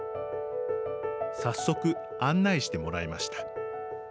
早速、案内してもらいました。